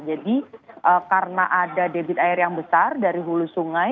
karena ada debit air yang besar dari hulu sungai